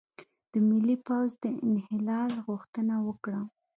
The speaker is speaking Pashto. د ملي پوځ د انحلال غوښتنه وکړه،